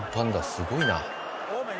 すごいな。